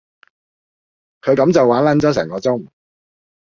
佢咁就玩撚咗成個鐘